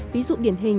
ví dụ điển hình